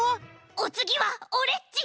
おつぎはオレっち！